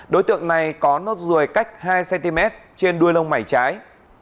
đối tượng này có nốt ruồi cách hai cm trên đuôi lông mảy trái